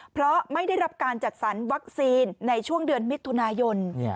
เพราะไม่ได้รับการจัดสรรวัคซีนในช่วงเดือนมิถุนายน